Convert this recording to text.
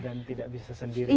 dan tidak bisa sendiri